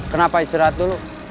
kenapa istirahat dulu